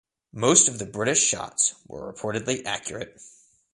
Most of the British shots were reportedly accurate.